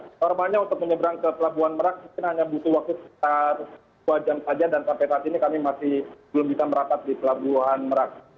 normalnya untuk menyeberang ke pelabuhan merak mungkin hanya butuh waktu sekitar dua jam saja dan sampai saat ini kami masih belum bisa merapat di pelabuhan merak